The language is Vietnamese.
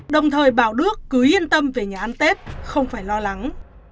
đồng thời bảo đước cứ yên tâm về nhà ăn tết không phải lo lắng